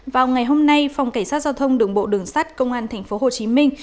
vào ngày hôm nay phòng cảnh sát giao thông đường bộ đường sắt công an tp hồ chí minh